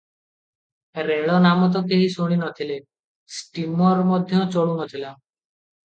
ରେଳ ନାମ ତ କେହି ଶୁଣି ନ ଥିଲେ, ଷ୍ଟୀମର ମଧ୍ୟ ଚଳୁନଥିଲା ।